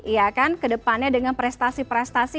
ya kan kedepannya dengan prestasi prestasi